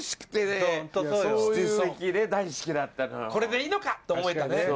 「これでいいのか」と思えたね。